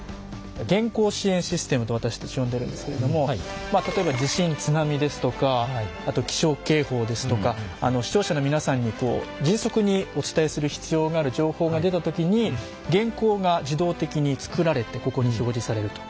原稿支援システムと私たち呼んでるんですけれどもまあ例えば地震津波ですとかあと気象警報ですとか視聴者の皆さんに迅速にお伝えする必要がある情報が出た時に原稿が自動的に作られてここに表示されると。